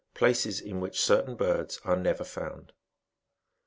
PLACES IN WHICH CERTAIN BIRDS ARE NEVER FOITND.